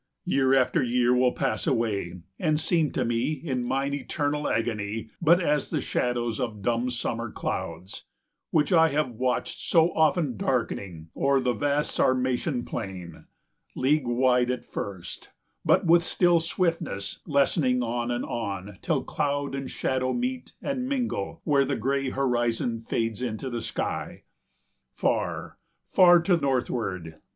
] Year after year will pass away and seem To me, in mine eternal agony, But as the shadows of dumb summer clouds, Which I have watched so often darkening o'er 335 The vast Sarmatian plain, league wide at first, But, with still swiftness, lessening on and on Till cloud and shadow meet and mingle where The gray horizon fades into the sky, Far, far to northward.